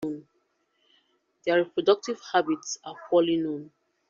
Their reproductive habits are poorly known.